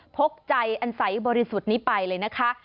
พกใจอันใสบริสุทธิ์นี้ไปเลยนะคะ